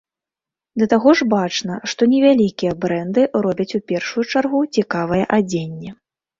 Да таго ж бачна, што невялікія брэнды робяць у першую чаргу цікавае адзенне.